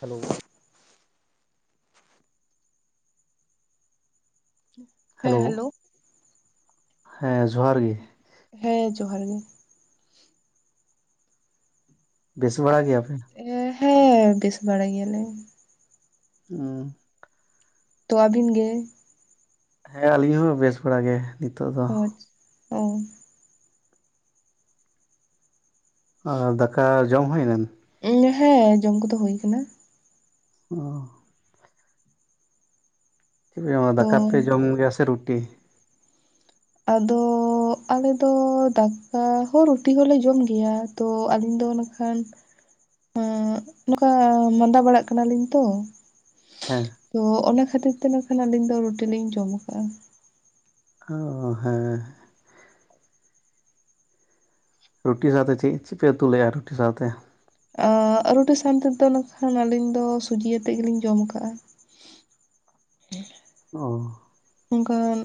Hello [inaudible] hello ᱦᱮᱸ ᱡᱚᱦᱟᱨ ᱜᱮ ᱦᱮᱸ ᱡᱚᱦᱟᱨ ᱜᱮ ᱵᱮᱥ ᱵᱟᱲᱟ ᱜᱮᱭᱟᱯᱮ ᱦᱮᱸ ᱵᱮᱥ ᱵᱟᱲᱟᱭ ᱜᱮᱭᱟᱞᱮ ᱦᱩ ᱛᱚ ᱟᱹᱵᱤᱱ ᱜᱮ ᱦᱮᱸ ᱟᱹᱞᱤᱧ ᱦᱚᱸ ᱵᱮᱥ ᱵᱟᱲᱟ ᱜᱮ ᱱᱤᱛᱚᱜ ᱫᱚ ᱚ ᱟᱨ ᱫᱟᱠᱟ ᱡᱚᱢ ᱦᱩᱭ ᱱᱟ ᱦᱮᱸ ᱡᱚᱢ ᱠᱚᱫᱚ ᱦᱩᱭ ᱟᱠᱟᱱᱟ ᱚ ᱪᱮᱫ ᱯᱮ ᱡᱚᱢᱟ ᱛᱚ ᱫᱟᱠᱟ ᱯᱮ ᱡᱚᱢ ᱜᱮᱭᱟ ᱥᱮ ᱨᱩᱴᱤ ᱟᱫᱚ ᱟᱞᱮᱫᱚ ᱫᱟᱠᱟ ᱦᱚᱸ ᱨᱩᱴᱤ ᱦᱚᱞᱮ ᱡᱚᱢ ᱜᱮᱭᱟ ᱛᱚ ᱟᱹᱞᱤᱧ ᱫᱚ ᱱᱟᱜᱠᱷᱟᱱ ᱱᱚᱝᱠᱟ ᱢᱟᱫᱟ ᱵᱟᱲᱟᱜ ᱠᱟᱱᱟᱞᱤᱧ ᱛᱚ ᱦᱮᱸ ᱛᱚ ᱚᱱᱟ ᱠᱷᱟᱹᱛᱤᱨ ᱛᱮ ᱱᱟ ᱠᱷᱟᱱ ᱟᱹᱞᱤᱧ ᱫᱚ ᱨᱩᱴᱤ ᱞᱤᱧ ᱡᱚᱢᱟᱠᱟ ᱚ ᱦᱮᱸ ᱨᱩᱴᱤ ᱥᱟᱶᱛᱮ ᱪᱮᱫ ᱪᱮᱫ ᱯᱮ ᱩᱛᱩᱞᱮᱫᱼᱟ ᱨᱩᱴᱤ ᱥᱟᱶᱛᱮ ᱟ ᱨᱩᱴᱤ ᱥᱟᱶᱛᱮ ᱛᱮᱫᱚ ᱱᱟᱜᱠᱷᱟᱱ ᱟᱹᱞᱤᱧ ᱫᱚ ᱥᱩᱡᱤᱛᱮᱫ ᱜᱮᱞᱤᱧ ᱡᱚᱢ ᱟᱠᱟᱟᱜᱼᱟ ᱦᱮᱸ ᱚ ᱚᱱᱠᱟᱱ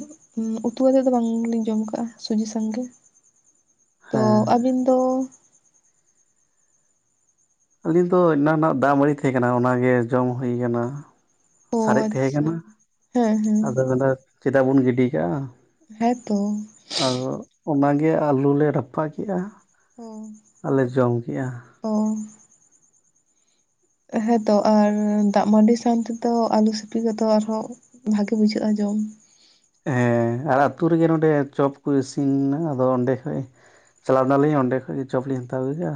ᱩᱛᱩ ᱟᱛᱮᱫ ᱫᱚ ᱵᱟᱝᱞᱤᱧ ᱡᱚᱢ ᱟᱠᱟᱜᱼᱟ ᱥᱩᱡᱤ ᱥᱟᱝᱜᱮ ᱛᱚ ᱦᱮᱸ ᱟᱹᱵᱤᱱ ᱫᱚ ᱟᱹᱞᱤᱧ ᱫᱚ ᱮᱱᱟᱝ ᱱᱟᱜ ᱫᱟᱜ ᱢᱟᱹᱰᱤ ᱛᱟᱦᱮᱸ ᱠᱟᱱᱟ ᱚᱱᱟᱜᱮ ᱡᱚᱢ ᱦᱩᱭ ᱟᱠᱟᱱᱟ ᱚ ᱥᱟᱨᱮᱡ ᱛᱟᱦᱮᱸ ᱟᱪᱪᱷᱟ ᱠᱟᱱᱟ ᱦᱮᱸ ᱦᱮᱸ ᱟᱫᱚ ᱢᱮᱱᱫᱟ ᱪᱮᱫᱟᱜ ᱵᱚᱱ ᱜᱤᱰᱤ ᱠᱟᱜᱼᱟ ᱦᱮ ᱛᱚ ᱟᱫᱚ ᱚᱱᱟᱜᱮ ᱟᱹᱞᱩ ᱞᱮ ᱨᱟᱯᱟ ᱠᱮᱜᱼᱟ᱾ ᱚ ᱟᱨᱞᱮ ᱡᱚᱢ ᱠᱮᱜᱼᱟ᱾ ᱚ ᱦᱮᱸᱛᱚ ᱟᱨ ᱫᱟᱜ ᱢᱟᱹᱰᱤ ᱥᱟᱶ ᱛᱮᱫᱚ ᱟᱞᱩ ᱥᱤᱯᱤ ᱠᱚᱫᱚ ᱟᱨᱦᱚᱸ ᱵᱷᱟᱜᱮ ᱵᱩᱡᱷᱟᱹᱜᱼᱟ ᱡᱚᱢ᱾ ᱦᱮᱸ ᱟᱨ ᱟᱹᱛᱩᱳ ᱨᱮᱜᱮ ᱱᱚᱸᱰᱮ ᱪᱚᱯ ᱠᱚ ᱤᱥᱤᱱᱟ ᱟᱫᱚ ᱚᱸᱰᱮ ᱠᱷᱚᱡ ᱪᱟᱞᱟᱣ ᱮᱱᱟ ᱱᱟᱞᱤᱧ ᱚᱸᱰᱮ ᱠᱷᱚᱱ ᱜᱮ ᱪᱚᱯ ᱞᱤᱧ ᱦᱟᱛᱟᱣ ᱟᱹᱜᱩ ᱠᱮᱜ-ᱟ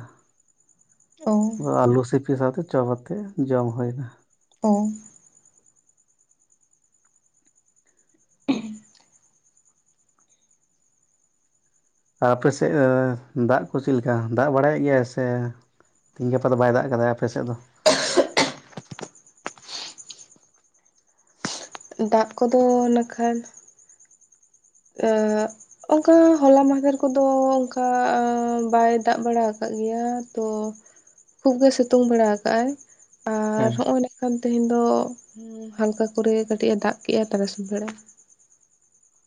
ᱚ ᱟᱹᱞᱩ ᱥᱤᱯᱤ ᱥᱟᱶᱛᱮ ᱪᱚᱯ ᱟᱛᱮ ᱡᱚᱢ ᱦᱩᱭ ᱮᱱᱟ᱾ ᱚ ᱟᱯᱮ ᱥᱮᱫ ᱫᱟᱜ ᱠᱚ ᱪᱮᱫ ᱞᱮᱠᱟ ᱫᱟᱜ ᱵᱟᱲᱟᱭᱮᱫ ᱜᱮᱭᱟ ᱥᱮ? ᱛᱮᱦᱤᱧ ᱜᱟᱯᱟ ᱫᱚ ᱵᱟᱭ ᱫᱟᱜ ᱟᱠᱟᱫᱟ ᱟᱯᱮᱥᱮᱫ ᱫᱚ? ᱫᱟᱜ ᱠᱚᱫᱚ ᱱᱟᱠᱷᱟᱱ, [unintelligible] ᱚᱱᱠᱟ ᱦᱚᱞᱟ ᱢᱫᱮᱨ ᱠᱚᱫᱚ ᱚᱱᱠᱟ ᱵᱟᱭ ᱫᱟᱜ ᱵᱟᱲᱟ ᱟᱠᱟᱫ ᱜᱮᱭᱟ ᱛᱚ ᱠᱷᱩᱵ ᱜᱮ ᱥᱤᱛᱩᱝ ᱵᱟᱲᱟ ᱟᱠᱟᱫ ᱟᱭ ᱟᱨ ᱦᱮᱸ ᱦᱚᱸᱜ-ᱚᱭ ᱱᱮᱠᱷᱟᱱ ᱛᱮᱦᱮᱸᱧ ᱫᱚ ᱦᱟᱞᱠᱟ ᱠᱚᱨᱮ ᱠᱟᱹᱴᱤᱡ ᱮ ᱫᱟᱜ ᱠᱮᱫᱼᱟ ᱛᱟᱨᱟᱥᱤ ᱵᱮᱲᱮ᱾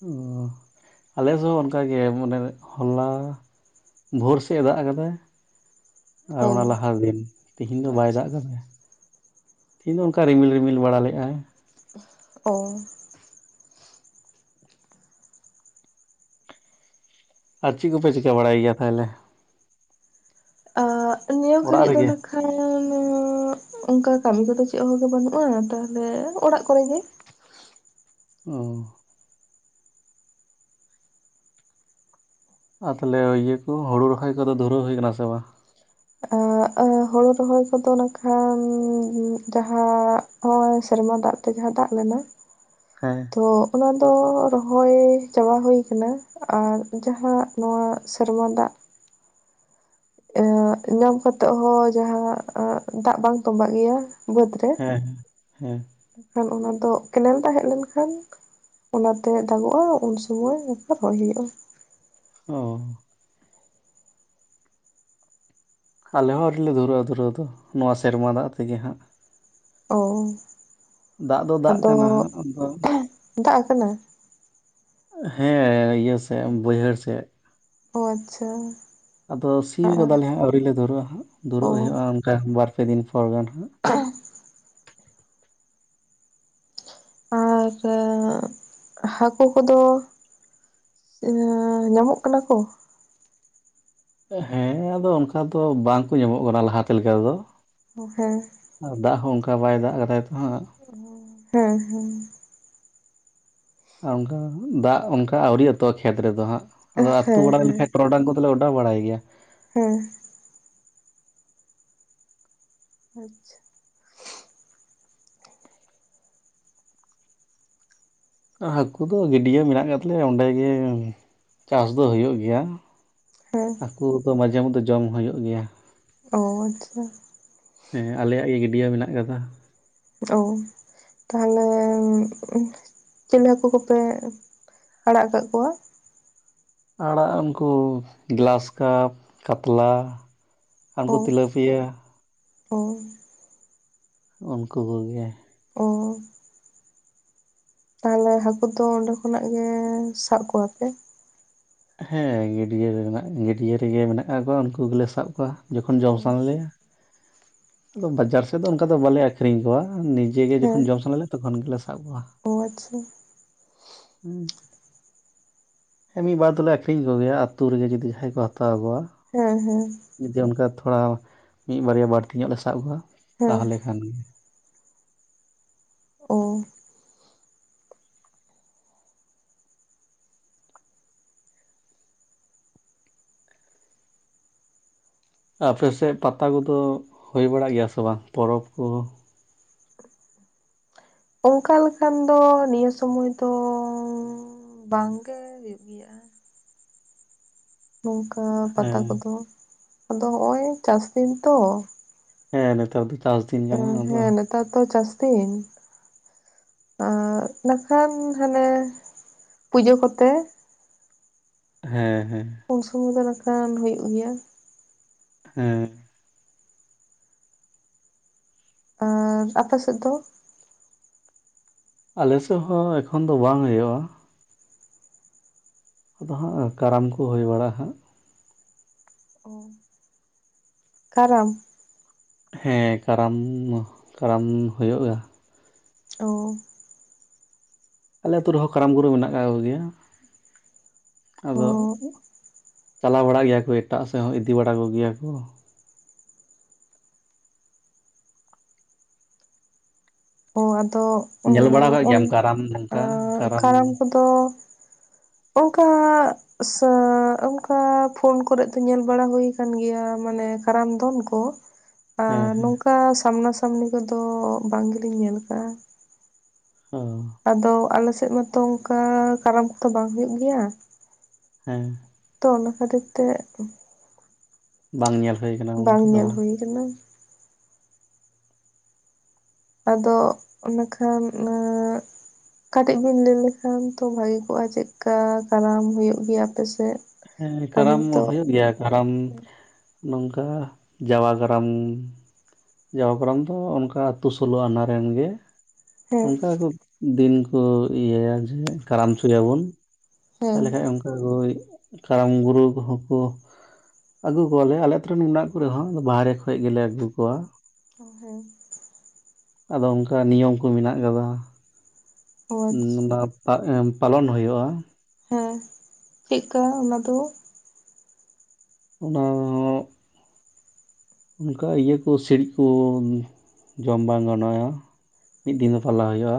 ᱚᱸ ᱟᱞᱮ ᱫᱚ ᱚᱱᱠᱟᱜᱮ ᱢᱟᱱᱮ ᱦᱚᱞᱟ ᱵᱷᱳᱨ ᱥᱮᱫ ᱮ ᱫᱟᱜ ᱟᱠᱟᱫᱟᱭ᱾ ᱟᱨ ᱚ ᱚᱱᱟ ᱞᱟᱦᱟ ᱫᱤᱱ ᱛᱮᱦᱤᱧ ᱫᱚ ᱵᱟᱭ ᱟᱪᱪᱷᱟ ᱫᱟᱜ ᱠᱟᱫᱟᱭ᱾ ᱛᱮᱦᱧ ᱫᱚ ᱚᱱᱠᱟ ᱨᱤᱢᱤᱞ ᱨᱤᱢᱤᱞ ᱵᱟᱲᱟ ᱞᱮᱫᱼᱟ᱾ ᱚ ᱟᱨ ᱪᱮᱫ ᱠᱚᱯᱮ ᱪᱤᱠᱟᱹ ᱵᱟᱲᱟᱭ ᱜᱮᱭᱟ ᱛᱟᱦᱚᱞᱮ? ᱟ ᱱᱤᱭᱟᱹ ᱚᱲᱟᱜ ᱜᱷᱟᱹᱲᱤᱡ ᱫᱚ ᱨᱮᱜᱮ ᱚᱱᱟ, ᱠᱷᱟᱱ [unintelligible] ᱚᱱᱠᱟ ᱠᱟᱹᱢᱤ ᱠᱚᱫᱚ ᱪᱮᱫ ᱦᱚᱸᱛᱚ ᱵᱟᱹᱱᱩᱜᱼᱟ ᱛᱟᱦᱚᱞᱮ ᱚᱲᱟᱜ ᱠᱚᱨᱮ ᱜᱮ᱾ ᱚ ᱟᱨ ᱛᱟᱦᱚᱞᱮ ᱤᱭᱟᱹ ᱠᱚ ᱦᱩᱲᱩ ᱨᱚᱦᱚᱭ ᱠᱚᱫᱚ ᱫᱷᱩᱨᱟᱹᱣ ᱦᱩᱭ ᱠᱟᱱᱟ ᱥᱮ ᱵᱟᱝ? ᱟᱻᱟ ᱦᱳᱲᱩ ᱨᱚᱦᱚᱭ ᱠᱚᱫᱚ ᱱᱟᱠᱷᱟᱱ ᱡᱟᱦᱟᱸ ᱱᱚᱜᱼᱚᱭ ᱥᱮᱨᱢᱟ ᱫᱟᱜ ᱛᱮ ᱡᱟᱦᱟᱸ ᱫᱟᱜ ᱞᱮᱱᱟ, [inaudible] ᱦᱮᱸ ᱛᱚ ᱚᱱᱟ ᱫᱚ ᱨᱚᱦᱚᱭ ᱪᱟᱵᱟ ᱦᱩᱭ ᱟᱠᱟᱱᱟ᱾ ᱟᱨ ᱡᱟᱦᱟᱸ ᱱᱚᱣᱟ ᱥᱮᱨᱢᱟ ᱫᱟᱜ [unintelligible] ᱧᱟᱢ ᱠᱟᱛᱮᱜ ᱦᱚᱸ ᱡᱟᱦᱟᱸ ᱫᱟᱜ ᱵᱟᱝ ᱛᱵᱟᱜ ᱜᱮᱭᱟ, ᱵᱟᱹᱫᱽ ᱨᱮ ᱦᱮᱸ ᱦᱮᱸ ᱠᱷᱟᱱ ᱚᱱᱟ ᱫᱚ ᱠᱮᱱᱮᱞ ᱫᱟᱜ ᱦᱮᱡ ᱞᱮᱱᱠᱷᱟᱱ, ᱚᱱᱟᱛᱮ ᱫᱟᱜᱚᱜᱼᱟ ᱩᱱ ᱥᱩᱢᱚᱭ [unintelligible] ᱨᱚᱦᱚᱭ ᱦᱩᱭᱩᱜᱼᱟ᱾ ᱚ ᱟᱞᱮ ᱦᱚᱸ ᱟᱹᱨᱤ ᱞᱮ ᱫᱷᱩᱨᱟᱹᱼᱟ ᱫᱷᱩᱨᱟᱹᱣ ᱫᱚ ᱱᱚᱣᱟ ᱥᱮᱨᱢᱟ ᱫᱟᱜ ᱛᱮᱜᱮ ᱦᱟᱸᱜ᱾ ᱚᱳ ᱫᱟᱜ ᱫᱚ ᱫᱟᱜ ᱠᱟᱱᱟ ᱦᱟᱸᱜ ᱟᱫᱚ ᱫᱟᱜ ᱟᱠᱟᱱᱟ? ᱦᱮᱸ ᱤᱭᱟᱹ ᱥᱮᱫ ᱵᱟᱹᱭᱦᱟᱹᱲ ᱥᱮᱫ᱾ ᱚ ᱟᱪᱪᱷᱟ ᱟᱫᱚ ᱥᱤᱭ ᱜᱚᱫᱟᱞᱮ ᱦᱟᱸᱜ ᱟᱹᱣᱨᱤ ᱞᱮ ᱫᱩᱨᱟᱹᱜᱼᱟ ᱦᱟᱸᱜ ᱚ ᱫᱩᱨᱟᱹᱜ ᱦᱩᱭᱩᱜᱼᱟ ᱚᱱᱠᱟ ᱵᱟᱨ ᱯᱮ ᱫᱤᱱ ᱯᱚᱨ ᱜᱟᱱ ᱦᱟᱸᱜ᱾ [unintelligible] ᱟᱨ ᱦᱟᱹᱠᱩ ᱠᱚᱫᱚ ᱤᱭᱟᱹ ᱧᱟᱢᱚᱜ ᱠᱟᱱᱟ ᱠᱚ? ᱦᱮᱸ ᱟᱫᱚ ᱚᱱᱠᱟ ᱫᱚ ᱵᱟᱝᱠᱚ ᱧᱟᱢᱚᱜ ᱠᱟᱱᱟ ᱞᱟᱦᱟᱛᱮ ᱞᱮᱠᱟ ᱛᱮᱫᱚ᱾ [unintelligible] ᱟᱨ ᱫᱟᱜ ᱦᱚᱸ ᱚᱱᱠᱟ ᱵᱟᱭ ᱫᱟᱜ ᱠᱟᱫᱟᱭ ᱛᱚᱦᱟᱸ᱾ ᱦᱮᱸ ᱦᱮᱸ ᱟᱨ ᱚᱱᱠᱟ ᱫᱟᱜ ᱚᱱᱠᱟ ᱟᱹᱣᱨᱤ ᱟᱹᱛᱩᱜ-ᱟ ᱠᱷᱮᱛ ᱨᱮᱫᱚ ᱦᱟᱸᱜ ᱟᱫᱚ ᱟᱹᱛᱩ ᱦᱮᱸ ᱵᱟᱲᱟᱭ ᱦᱮᱸ ᱞᱮᱠᱷᱟᱡ ᱴᱨᱚᱰᱟᱝ ᱠᱚ [unintelligible] ᱚᱰᱟ ᱵᱟᱲᱟᱭ ᱜᱮᱭᱟ ᱦᱮᱸ ᱟᱪᱪᱷᱟ ᱦᱟᱹᱠᱩ ᱫᱚ ᱜᱟᱹᱰᱭᱟᱹ ᱢᱮᱱᱟᱜ ᱠᱟᱫᱛᱟᱞᱮᱭᱟ ᱚᱸᱰᱮ ᱜᱮ ᱪᱟᱥ ᱫᱚ ᱦᱩᱭᱩᱜ ᱜᱮᱭᱟ ᱦᱮᱸ ᱦᱟᱠᱩ ᱫᱚ ᱢᱟᱡᱷᱮ ᱢᱚᱫᱽᱷᱮ ᱡᱚᱢ ᱦᱩᱭᱩᱜ ᱜᱮᱭᱟ ᱚ ᱟᱪᱪᱷᱟ ᱦᱮᱸ ᱟᱞᱮᱭᱟᱜ ᱜᱮ ᱜᱤᱰᱭᱟᱹ ᱢᱮᱱᱟᱜ ᱠᱟᱫᱟ ᱚ ᱛᱟᱦᱟᱞᱮ ᱪᱤᱞᱤ ᱦᱟᱹᱠᱩ ᱠᱚᱯᱮ ᱟᱲᱟᱜ ᱠᱟᱫ ᱠᱚᱣᱟ ᱟᱲᱟᱜ ᱩᱱᱠᱩ ᱜᱞᱟᱥ ᱠᱟᱯ ᱠᱟᱛᱞᱟ ᱚ ᱟᱸᱠᱩ ᱛᱤᱞᱟᱹᱯᱤᱭᱟ ᱚ [unintelligible] ᱩᱱᱠᱩ ᱠᱚᱜᱮ᱾ ᱚ [unintelligible] ᱛᱟᱦᱟᱞᱮ ᱦᱟᱹᱠᱩ ᱫᱚ ᱚᱸᱰᱮ ᱠᱷᱚᱱᱟᱜ ᱜᱮ ᱥᱟᱵ ᱠᱚᱣᱟᱯᱮ? ᱦᱮᱸ ᱜᱟᱹᱰᱭᱟᱹ ᱨᱮᱱᱟᱜ ᱜᱟᱹᱰᱭᱟᱹ ᱨᱮᱜᱮ ᱢᱮᱱᱟᱜ ᱠᱟᱫ ᱠᱚᱣᱟ ᱩᱱᱠᱩ ᱜᱮᱞᱮ ᱥᱟᱵ ᱠᱚᱣᱟ ᱡᱚᱠᱷᱚᱱ ᱡᱚᱢ ᱚ ᱥᱟᱱᱟ ᱟᱪᱪᱷᱟ ᱞᱮᱭᱟ᱾ ᱟᱫᱚ ᱵᱟᱡᱟᱨ ᱥᱮᱫ ᱫᱚ ᱚᱱᱠᱟ ᱫᱚ ᱵᱟᱞᱮ ᱟᱠᱷᱨᱤᱧ ᱠᱚᱣᱟ ᱱᱤᱡᱮᱜ ᱜᱮ ᱡᱚᱠᱷᱚᱱ ᱡᱚᱢ ᱥᱟᱱᱟ ᱞᱮᱭᱟ ᱛᱚᱠᱷᱚᱱ ᱜᱮᱞᱮ ᱥᱟᱵ ᱠᱚᱣᱟ᱾ ᱚᱻ ᱟᱪᱪᱷᱟ᱾ [unintelligible] ᱦᱮᱸ ᱢᱤᱫ ᱵᱟᱨ ᱫᱚᱞᱮ ᱟᱠᱷᱨᱤᱧ ᱠᱚᱜᱮᱭᱟ ᱟᱛᱳ ᱨᱮᱜᱮ ᱡᱩᱫᱤ ᱡᱟᱦᱟᱸᱭ ᱠᱚ ᱦᱟᱛᱟᱣ ᱠᱚᱣᱟ᱾ ᱦᱮᱸ ᱦᱮᱸ᱾ ᱡᱩᱫᱤ ᱚᱱᱠᱟ ᱛᱷᱚᱲᱟ ᱢᱤᱫ ᱵᱟᱨᱭᱟ ᱵᱟᱹᱲᱛᱤ ᱧᱚᱜ ᱞᱮ ᱥᱟᱵ ᱠᱚᱣᱟ ᱦᱮᱸ ᱛᱟᱦᱟᱞᱮ ᱠᱷᱟᱱ᱾ ᱚ ᱟᱯᱮᱥᱮᱫ ᱯᱟᱛᱟ ᱠᱚᱫᱚ ᱦᱩᱭ ᱵᱟᱲᱟᱜ ᱜᱮᱭᱟ ᱥᱮ ᱵᱟᱝ ᱯᱚᱨᱚᱵᱽ ᱠᱚ? ᱚᱱᱠᱟ ᱞᱮᱠᱟᱱ ᱫᱚ ᱱᱤᱭᱟᱹ ᱥᱚᱢᱚᱭ ᱫᱚ ᱵᱟᱝᱜᱮ ᱦᱩᱭᱩᱜ ᱜᱮᱭᱟ᱾ ᱱᱚᱝᱠᱟ ᱯᱟᱛᱟ ᱦᱮᱸ ᱠᱚᱫᱚ ᱟᱫᱚ ᱦᱚᱜ-ᱚᱸᱭ ᱪᱟᱥ ᱫᱤᱱ ᱛᱚ᱾ ᱦᱮᱸ ᱱᱮᱛᱟᱨ ᱫᱚ ᱪᱟᱥ ᱫᱤᱱ ᱠᱟᱱᱟ ᱟᱫᱚ ᱦᱮᱸ ᱱᱮᱛᱟᱨ ᱫᱚ ᱪᱟᱥ ᱫᱤᱱ᱾ ᱟᱨ ᱱᱟᱠᱷᱟᱱ ᱦᱟᱱᱮ ᱯᱩᱡᱟᱹ ᱠᱚᱛᱮ᱾ ᱦᱮᱸ ᱦᱮᱸ᱾ ᱚᱱ [unintelligible] ᱱᱟᱠᱷᱟ ᱦᱩᱭᱩᱜ ᱜᱮᱭᱟ᱾ ᱦᱮᱸ᱾ ᱟᱨ ᱟᱯᱮ ᱥᱮᱫ ᱫᱚ? ᱟᱞᱮ ᱥᱮᱫ ᱦᱚᱸ ᱮᱠᱷᱚᱱ ᱫᱚ ᱵᱟᱝ ᱦᱩᱭᱩᱜ-ᱟ᱾ ᱟᱫᱚ ᱦᱟᱸᱜ ᱠᱟᱨᱟᱢ ᱠᱚ ᱦᱩᱭ ᱵᱟᱲᱟᱜ ᱦᱟᱸᱜ᱾ ᱚ᱾ ᱠᱟᱨᱟᱢ᱾ ᱦᱮᱸ ᱠᱟᱨᱟᱢ ᱠᱟᱨᱟᱢ ᱦᱩᱭᱩᱜ-ᱟ᱾ ᱚ᱾ ᱟᱞᱮ ᱟᱛᱳ ᱨᱮᱦᱚᱸ ᱠᱟᱨᱟᱢ ᱜᱩᱨᱩ ᱢᱮᱱᱟᱜ ᱠᱟᱜ ᱠᱚᱜᱮᱭᱟ᱾ ᱚ ᱟᱫᱚ ᱪᱟᱞᱟᱣ ᱵᱟᱲᱟᱜ ᱜᱮᱭᱟ ᱠᱚ ᱮᱴᱟᱜ ᱥᱮᱫ ᱦᱚᱸ ᱤᱫᱤ ᱵᱟᱲᱟ ᱠᱚᱜᱮᱭᱟ ᱠᱚ᱾ ᱚ ᱟᱫᱚ ᱧᱮᱞ ᱵᱟᱲᱟ ᱠᱟᱜ ᱜᱮᱭᱟᱢ ᱠᱟᱨᱟᱢ ᱱᱚᱝᱠᱟ [unintelligible] ᱠᱟᱨᱟᱢ ᱠᱚᱫᱚ ᱚᱝᱠᱟ [unintelligible] ᱚᱱᱠᱟ ᱯᱷᱳᱱ ᱠᱚᱨᱮᱫ ᱫᱚ ᱧᱮᱞ ᱵᱟᱲᱟ ᱦᱩᱭ ᱠᱟᱱ ᱜᱮᱭᱟ ᱢᱟᱱᱮ ᱠᱟᱨᱟᱢ ᱫᱚᱱ ᱠᱚ᱾ ᱟᱨ ᱦᱮᱸ ᱦᱮᱸ ᱱᱚᱝᱠᱟ ᱥᱟᱢᱱᱟ ᱥᱟᱢᱱᱤ ᱠᱚᱫᱚ ᱵᱟᱝ ᱜᱮᱞᱤᱧ ᱧᱮᱞ ᱠᱟᱜ-ᱟ᱾ ᱚ ᱟᱫᱚ ᱟᱞᱮᱥᱮᱫ ᱢᱟᱛᱚ ᱚᱱᱠᱟ ᱠᱟᱨᱟᱢ ᱠᱚᱛᱚ ᱵᱟᱝ ᱦᱩᱭᱩᱜ ᱜᱮᱭᱟ᱾ ᱦᱮᱸ᱾ ᱛᱚ ᱚᱱᱟ ᱠᱷᱟᱹᱛᱤᱨ ᱛᱮ ᱵᱟᱝ ᱧᱮᱞ ᱦᱩᱭᱩ ᱟᱠᱟᱱᱟ ᱩᱱᱚᱱᱛᱮᱟ ᱵᱟᱝ [unintelligible] [unintelligible] ᱟᱫᱚ ᱚᱱᱠᱷᱟ ᱱᱟᱜ ᱠᱟᱹᱴᱤᱡ ᱵᱤᱱ ᱞᱟᱹᱭ ᱞᱮᱠᱷᱟᱱ ᱛᱚ ᱵᱷᱟᱜᱤ ᱠᱚᱜᱼᱟ ᱪᱮᱫ ᱠᱟ ᱠᱟᱨᱟᱢ ᱦᱩᱭᱩᱜ ᱜᱮᱭᱟ ᱟᱯᱮᱥᱮᱫ? ᱦᱮᱸ ᱠᱟᱨᱟᱢ ᱦᱩᱭᱩᱜ ᱜᱮᱭᱟ᱾ ᱠᱟᱨᱟᱢ ᱱᱚᱝᱠᱟ ᱡᱟᱣᱟ ᱠᱟᱨᱟᱢ ᱡᱟᱭᱟ ᱠᱟᱨᱟᱢ ᱫᱚ ᱚᱱᱠᱟ ᱟᱹᱛᱩ ᱥᱳᱞᱳ ᱟᱱᱟᱨᱮ ᱨᱮᱱ ᱜᱮ ᱦᱮᱸ ᱚᱱᱠᱟ ᱠᱚ ᱫᱤᱱ ᱠᱚ ᱤᱭᱟᱹᱭᱟ ᱡᱮ ᱠᱟᱨᱟᱢ ᱦᱚᱪᱚᱭᱟᱵᱚᱱ ᱦᱮᱸ ᱛᱟᱦᱚᱞᱮ ᱠᱷᱟᱡ ᱚᱱᱠᱟ ᱜᱳᱭ ᱠᱟᱨᱟᱢ ᱜᱩᱨᱩ ᱠᱚᱦᱚᱸ ᱠᱚ ᱟᱹᱜᱩ ᱠᱚᱣᱟᱞᱮ ᱟᱞᱮ ᱟᱹᱛᱩᱨᱮᱱ ᱢᱮᱱᱟᱜ ᱠᱚᱨᱮ ᱦᱚᱸ ᱵᱟᱦᱨᱮ ᱠᱷᱚᱡ ᱜᱮᱞᱮ ᱟᱹᱜᱩ ᱠᱚᱣᱟ᱾ ᱚ ᱦᱮᱸ [unintelligible] ᱟᱫᱚ ᱚᱱᱠᱟ ᱱᱤᱭᱚᱢ ᱠᱚ ᱢᱮᱱᱟᱜ ᱟᱠᱟᱫᱟ᱾ ᱚ ᱟᱪᱪᱷᱟ ᱵᱟᱯᱟ ᱮᱱ ᱯᱞᱚᱱ ᱦᱩᱭᱩᱜᱼᱟ ᱦᱮᱸ ᱪᱮᱫᱠᱟ ᱚᱱᱟ ᱫᱚ? ᱚᱱᱟ ᱚᱱᱠᱟ ᱤᱭᱟᱹ ᱠᱚ ᱥᱤᱬᱤᱡ ᱠᱚ ᱡᱚᱢ ᱵᱟᱝ ᱜᱟᱱᱚᱜᱼᱟ ᱢᱤᱫ ᱫᱤᱱ ᱫᱚ ᱯᱟᱞᱟᱣ ᱦᱩᱭᱩᱜᱼᱟ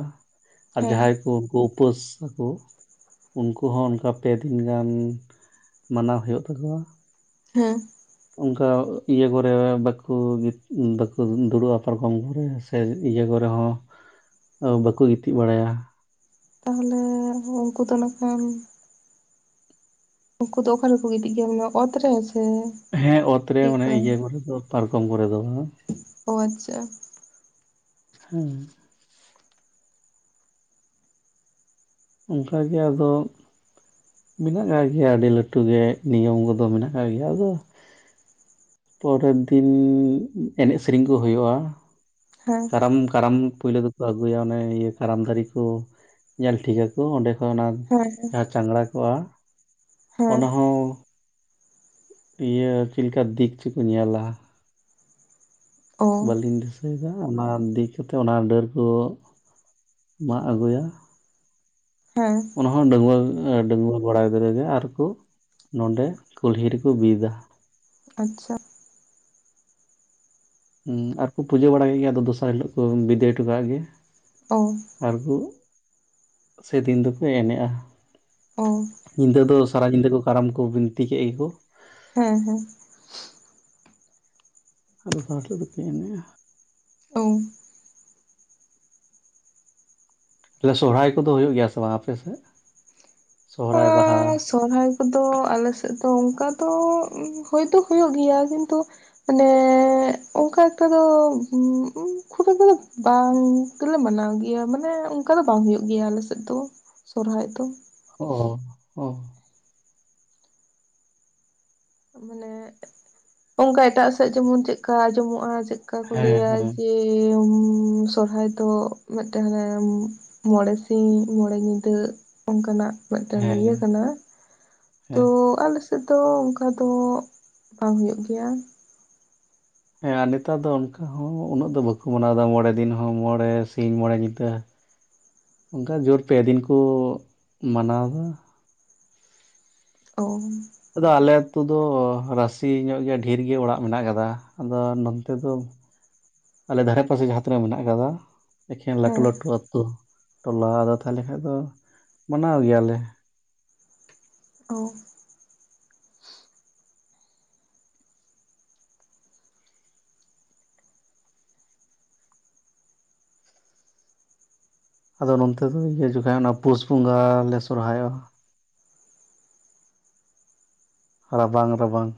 ᱟᱨ ᱦᱮᱸ ᱡᱟᱸᱦᱟᱭ ᱠᱚ ᱩᱯᱟᱹᱥᱟᱠᱚ ᱩᱱᱠᱩ ᱦᱚᱸ ᱚᱱᱠᱟ ᱯᱮᱹ ᱫᱤᱱ ᱜᱟᱱ ᱢᱟᱱᱟᱣ ᱦᱩᱭᱩᱜ ᱛᱟᱠᱚᱣᱟ ᱦᱮᱸ ᱚᱱᱠᱟ ᱤᱭᱟᱹ ᱠᱚᱨᱮ ᱵᱟᱠᱚ ᱵᱟᱠᱚ ᱫᱩᱲᱩᱵᱼᱟ ᱯᱟᱨᱠᱚᱢ ᱠᱚᱨᱮ ᱥᱮ ᱤᱭᱟᱹ ᱠᱚᱨᱮ ᱦᱚᱸ ᱵᱟᱠᱚ ᱜᱤᱛᱤᱡ ᱵᱟᱲᱟᱭᱟ ᱛᱟᱦᱚᱞᱮ ᱩᱱᱠᱩ ᱫᱚ ᱠᱷᱟᱱ ᱩᱱᱠᱩ ᱫᱚ ᱚᱠᱟ ᱨᱮᱠᱚ ᱜᱤᱛᱤᱡ ᱜᱮᱭᱟᱮ ᱚᱛᱨᱮ ᱥᱮ ᱦᱮᱸ ᱚᱛ ᱨᱮ ᱢᱟᱱᱮ ᱪᱮᱫᱠᱟ ᱤᱭᱟᱹ ᱠᱚᱨᱮ ᱫᱚ ᱯᱟᱨᱠᱚᱢ ᱠᱚᱨᱮ ᱫᱚ ᱚ ᱟᱪᱪᱷᱟ ᱦᱮᱸ ᱚᱱᱠᱟᱜᱮ ᱟᱫᱚ ᱢᱮᱱᱟᱜ ᱟᱠᱟᱫ ᱜᱮᱭᱟ ᱟᱹᱰᱤ ᱞᱟᱹᱴᱩ ᱜᱮ ᱱᱤᱭᱚᱢ ᱠᱚᱫᱚ ᱢᱮᱱᱟᱜ ᱟᱠᱟᱫ ᱜᱮᱭᱟ ᱟᱫᱚ ᱯᱚᱨᱮᱨ ᱫᱤᱱ ᱮᱱᱮᱡ ᱥᱮᱨᱮᱧ ᱠᱚ ᱦᱩᱭᱩᱜᱼᱟ ᱦᱮᱸ ᱠᱟᱨᱟᱢ ᱠᱟᱨᱟᱢ ᱯᱩᱭᱞᱳ ᱫᱚᱠᱚ ᱟᱹᱜᱩᱭᱟ ᱚᱱᱮ ᱤᱭᱟᱹ ᱠᱟᱨᱟᱢ ᱫᱟᱨᱮ ᱠᱚ ᱧᱮᱞ ᱴᱷᱤᱠᱟᱠᱚ ᱠᱚ ᱚᱸᱰᱮ ᱠᱷᱚᱱ ᱚᱱᱟ ᱦᱮᱸ ᱡᱟᱦᱟᱸ ᱪᱟᱝᱲᱟ ᱠᱚᱜᱼᱟ ᱦᱮᱸ ᱚᱱᱟ ᱦᱚᱸ ᱤᱭᱟᱹ ᱪᱮᱫ ᱞᱮᱠᱟ ᱫᱤᱠ ᱪᱮᱫᱠᱚ ᱧᱮᱞᱟ ᱚ ᱵᱟᱹᱞᱤᱧ ᱫᱤᱥᱟᱹᱭᱮᱫᱟ ᱚᱱᱟ ᱫᱤ ᱠᱟᱛᱮᱫ ᱚᱱᱟ ᱰᱟᱹᱨ ᱠᱚ ᱢᱟᱜ ᱟᱹᱜᱩᱭᱟ ᱦᱮᱸ ᱚᱱᱟ ᱦᱚᱸ ᱰᱟᱹᱣᱟᱹ ᱰᱟᱹᱝᱣᱟᱹ ᱵᱟᱲᱟ ᱜᱤᱫᱽᱨᱟᱹᱮ ᱟᱨᱠᱚ ᱱᱚᱸᱰᱮ ᱠᱩᱞᱦᱤ ᱨᱮᱠᱚ ᱵᱤᱫᱟ ᱟᱪᱪᱷᱟ ᱟᱨᱠᱚ ᱯᱩᱡᱟᱹ ᱵᱟᱲᱟ ᱠᱮᱫ ᱜᱮᱭᱟ ᱟᱫᱚ ᱫᱚᱥᱟᱨ ᱦᱤᱞᱳᱜ ᱠᱚ ᱵᱤᱫᱟᱹᱭ ᱦᱚᱴᱚ ᱠᱟᱜ ᱜᱮ ᱚ-ᱳ ᱟᱨᱜᱚ ᱥᱮᱫᱤᱱ ᱫᱚᱠᱚ ᱮᱱᱮᱡᱼᱟ ᱚ ᱧᱤᱫᱟᱹ ᱫᱚ ᱥᱟᱨᱟ ᱧᱤᱫᱟᱹ ᱠᱚ ᱠᱟᱨᱟᱢ ᱠᱚ ᱵᱤᱱᱛᱤ ᱠᱮᱫ ᱜᱮᱠᱚ ᱦᱮᱸ ᱦᱮᱸ ᱟᱫᱚ ᱥᱟᱴ ᱫᱚᱠᱱᱟᱮ [inaudible] ᱚ ᱟᱦᱮ ᱥᱚᱦᱚᱨᱟᱭ ᱠᱚᱫᱚ ᱦᱩᱭᱩᱜ ᱜᱮᱭᱟ ᱥᱮ ᱵᱟᱝ ᱟᱯᱮᱥᱮᱫ? ᱚ [unintelligible] ᱥᱚᱦᱚᱨᱟᱭ ᱠᱚᱫᱚ ᱟᱞᱮᱥᱮᱫ ᱫᱚ ᱚᱱᱠᱟ ᱫᱚ ᱦᱚᱳᱭᱛᱳ ᱦᱩᱭᱩᱜ ᱜᱮᱭᱟ ᱠᱤᱱᱛᱩ ᱢᱟᱱᱮ ᱚᱱᱠᱟ ᱮᱠᱴᱟ ᱫᱚ ᱠᱷᱩᱵ ᱮᱠᱴ ᱫᱚ ᱵᱟᱝ ᱛᱮᱞᱮ ᱢᱟᱱᱟᱣ ᱜᱮᱭᱟ ᱢᱟᱱᱮ ᱚᱱᱠᱟ ᱫᱚ ᱵᱟᱝ ᱦᱩᱭᱩᱜ ᱜᱮᱭᱟ ᱟᱞᱮ ᱥᱮᱫ ᱫᱚ ᱥᱚᱨᱚᱦᱟᱭ ᱫᱚ ᱚ ᱚ ᱢᱟᱱᱮ ᱚᱱᱠᱟ ᱮᱴᱟᱜ ᱥᱮᱫ ᱡᱮᱢᱚᱱ ᱪᱮᱫᱠᱟ ᱟᱸᱡᱚᱢᱚᱜᱼᱟ ᱪᱮᱫᱠᱟ ᱠᱚ ᱦᱮᱸ ᱞᱟᱹᱭᱟ ᱦᱮᱸ ᱡᱮ ᱥᱚᱨᱦᱟᱭ ᱫᱚ ᱢᱤᱫᱴᱮᱱ ᱢᱚᱬᱮ ᱥᱤᱧ ᱢᱚᱬᱮ ᱧᱤᱫᱟᱹ ᱚᱱᱠᱟᱱᱟᱜ ᱢᱤᱫᱴᱮᱱ ᱦᱮᱸ ᱤᱭᱟᱹ ᱠᱟᱱᱟ ᱛᱚ ᱦᱮᱸ ᱟᱞᱮᱥᱮᱫ ᱫᱚ ᱚᱱᱠᱟ ᱫᱚ ᱵᱟᱝ ᱦᱩᱭᱩᱜ ᱜᱮᱭᱟ ᱦᱮᱸ ᱟᱨ ᱱᱮᱛᱟᱨ ᱫᱚ ᱚᱱᱠᱟ ᱦᱚᱸ ᱩᱱᱟᱹᱜ ᱫᱚ ᱵᱟᱠᱚ ᱢᱟᱱᱟᱣ ᱮᱫᱟ ᱢᱚᱬᱮ ᱫᱤᱱ ᱦᱚᱸ ᱢᱚᱬᱮ ᱥᱤᱧ ᱢᱚᱬᱮ ᱧᱤᱫᱟᱹ [inaudible] ᱚᱱᱠᱟ ᱡᱳᱨ ᱯᱮ ᱫᱤᱱ ᱠᱚ ᱢᱟᱱᱟᱣ ᱮᱫᱟ ᱚ ᱟᱫᱚ ᱟᱞᱮ ᱟᱛᱩ ᱫᱚ ᱨᱟᱥᱮ ᱧᱚᱜ ᱜᱮᱭᱟ ᱰᱷᱮᱨ ᱜᱮ ᱚᱲᱟᱜ ᱢᱮᱱᱟᱜ ᱠᱟᱫᱟ ᱟᱫᱚ ᱱᱚᱱᱛᱮ ᱫᱚ [inaudible] ᱟᱞᱮ ᱫᱷᱟᱨᱮ ᱯᱟᱥᱮ ᱡᱟᱦᱟᱸ ᱛᱤᱱᱟᱹᱜ ᱢᱮᱱᱟᱜ ᱠᱟᱫᱟ ᱮᱠᱷᱮᱱ ᱞᱟᱹᱴᱩ ᱦᱮᱸ ᱞᱟᱹᱴᱩ ᱟᱹᱛᱩ ᱴᱚᱞᱟ ᱟᱫᱚ ᱛᱟᱦᱚᱞᱮ ᱠᱷᱱᱡ ᱫᱚ ᱢᱟᱱᱟᱣ ᱜᱮᱭᱟᱞᱮ ᱚ ᱟᱫᱚ ᱱᱚᱱᱛᱮ ᱫᱚ ᱤᱭᱟᱹ ᱡᱚᱠᱷᱟᱡ ᱚᱱᱟ ᱯᱩᱥ ᱵᱚᱸᱜᱟ ᱞᱮ ᱥᱚᱨᱦᱟᱭᱚᱜᱼᱟ ᱨᱟᱵᱟᱝ ᱨᱟᱵᱟᱝ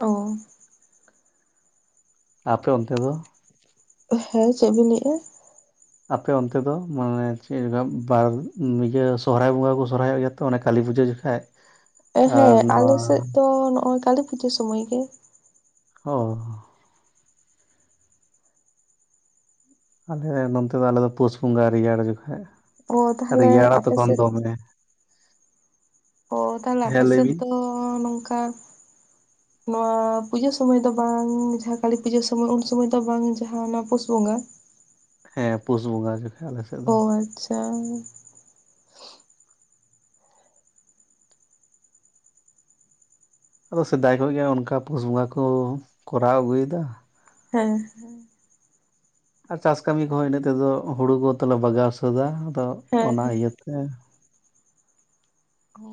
ᱚᱻ ᱟᱯᱮ ᱚᱱᱛᱮ ᱫᱚ ᱦᱮᱸ ᱪᱮᱫ ᱵᱤᱱ ᱞᱟᱹᱭᱮᱜᱼᱟ ᱟᱯᱮ ᱚᱱᱛᱮ ᱫᱚ ᱢᱟᱱᱮ ᱪᱮᱫ ᱵᱟᱨ ᱤᱭᱟᱹ ᱥᱚᱦᱚᱨᱟᱭ ᱵᱚᱸᱜᱟ ᱠᱚ ᱥᱚᱦᱚᱨᱟᱭᱚᱜ ᱜᱮᱭᱟ ᱛᱚ ᱚᱱᱮ ᱠᱟᱹᱞᱤ ᱯᱩᱡᱟᱹ ᱡᱚᱠᱷᱟᱡ ᱮ ᱦᱮᱸ ᱟᱨ ᱱᱚᱣᱟ ᱟᱞᱮ ᱥᱮᱫ ᱫᱚ ᱱᱚᱜᱼᱚᱭ ᱠᱟᱹᱞᱤ ᱯᱩᱡᱟᱹ ᱥᱚᱢᱚᱭ ᱜᱮ ᱦᱚᱻ ᱟᱞᱮ ᱱᱚᱱᱛᱮ ᱫᱚ ᱟᱞᱮ ᱫᱚ ᱯᱩᱥ ᱵᱚᱸᱜᱟ ᱨᱮᱭᱟᱲ ᱡᱚᱠᱷᱟᱡ ᱚ ᱛᱟᱦᱚᱞᱮ ᱨᱮᱭᱟᱲᱟ ᱟᱯᱮ ᱛᱚᱠᱷᱚᱱ ᱥᱮᱫ ᱫᱚᱢᱮ ᱚᱻ ᱛᱟᱦᱞᱮ ᱦᱮᱸ ᱟᱯᱮ ᱞᱟᱹᱭ ᱥᱮᱫ ᱵᱤᱱ ᱫᱚ ᱱᱚᱝᱠᱟ ᱱᱚᱣᱟ ᱯᱩᱡᱟᱹ ᱥᱚᱢᱚᱭ ᱫᱚ ᱵᱟᱝ ᱡᱟᱦᱟᱸ ᱠᱟᱹᱞᱤ ᱯᱩᱡᱟᱹ ᱥᱚᱢᱚᱭ ᱩᱱ ᱥᱚᱢᱚᱭ ᱫᱚ ᱵᱟᱝ ᱡᱟᱦᱟᱸ ᱱᱚᱣᱟ ᱯᱩᱥ ᱵᱚᱸᱜᱟ ᱦᱮᱸ ᱯᱩᱥ ᱵᱚᱸᱜᱟ ᱜᱮ ᱚᱻ ᱟᱪᱪᱷᱟ ᱟᱫᱚ ᱥᱮᱫᱟᱭ ᱠᱷᱚᱡ ᱜᱮ ᱚᱱᱠᱟ ᱯᱩᱥ ᱵᱚᱸᱜᱟ ᱠᱚ ᱠᱚᱨᱟᱣ ᱟᱹᱜᱩᱭ ᱮᱫᱟ ᱦᱮᱸ ᱻ ᱦᱮᱸᱻ ᱟᱨ ᱪᱟᱥ ᱠᱟᱹᱢᱤ ᱠᱚᱦᱚᱸ ᱤᱱᱟᱹᱜ ᱛᱮᱫᱚ ᱦᱳᱲᱳ ᱠᱚ ᱛᱚᱞᱮ ᱵᱟᱜᱟᱣ ᱥᱟᱹᱛᱟ ᱛᱚ ᱚᱱᱟ ᱦᱮᱸ ᱤᱭᱟᱹ ᱛᱮ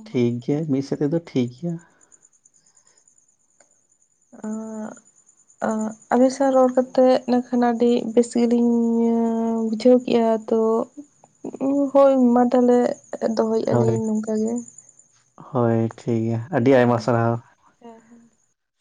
ᱴᱷᱤᱠ ᱜᱮᱭᱟ ᱢᱤᱫ ᱥᱮᱫ ᱛᱮᱫᱚ ᱴᱷᱤᱠ ᱜᱮᱭᱟ ᱟᱸᱻ ᱟᱹᱵᱤᱧ ᱥᱟᱶ ᱨᱚᱲ ᱠᱟᱛᱮᱜ ᱤᱱᱟᱹ ᱠᱷᱟᱱ ᱟᱹᱰᱤ ᱵᱮᱥ ᱜᱮᱞᱤᱧ ᱵᱩᱡᱷᱟᱹᱣ ᱠᱮᱜᱼᱟ ᱛᱚ ᱦᱳᱭ ᱢᱟ ᱛᱟᱦᱞᱮ ᱦᱳᱭ ᱫᱚᱦᱚᱭᱮᱜᱼᱟᱹᱞᱤᱧ ᱱᱚᱝᱠᱟ ᱜᱮ ᱦᱳᱭ ᱴᱷᱤᱠ ᱜᱮᱭᱟ ᱟᱹᱰᱤ ᱟᱭᱢᱟ ᱥᱟᱨᱦᱟᱣ ᱦᱮᱸ ᱦᱮᱸ